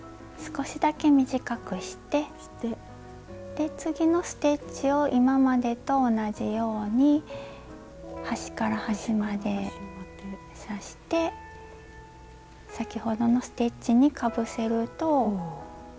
で次のステッチを今までと同じように端から端まで刺して先ほどのステッチにかぶせると。